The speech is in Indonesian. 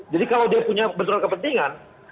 jadi kalau dia punya benturan kepentingan